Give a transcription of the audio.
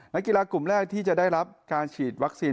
นักกีฬากลุ่มแรกที่จะได้รับการฉีดวัคซีน